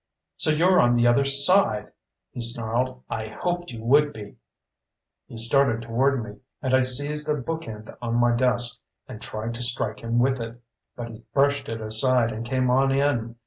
"So you're on the other side," he snarled. "I hoped you would be." He started toward me and I seized a bookend on my desk and tried to strike him with it. But he brushed it aside and came on in.